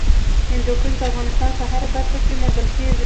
هندوکش د افغانستان په هره برخه کې موندل کېږي.